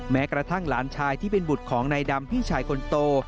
แม้กระทั่งหลานชายที่เป็นบุตรของนายดำพี่ชายคนโต